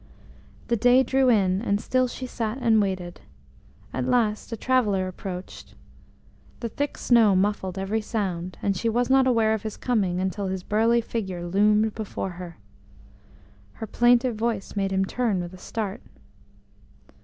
The day drew in, and still she sat and waited. At last a traveller approached. The thick snow muffled every sound, and she was not aware of his coming until his burly figure loomed before her. Her plaintive voice made him turn with a start.